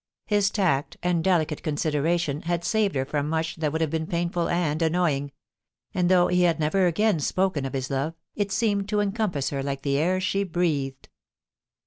His tact and delicate consideration had saved her from much that would have been painful and annoying ; and though he had never again spoken of his love, it seemed to encompass her like the air she breathed.